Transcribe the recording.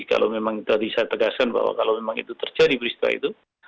kalau memang tadi saya tegaskan bahwa kalau memang itu terjadi peristiwa itu